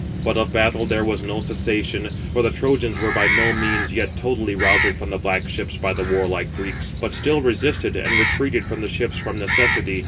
But of battle there was no cessation: for the Trojans were by no means yet totally routed from the black ships by the warlike Greeks, but still resisted, and retreated from the ships from necessity.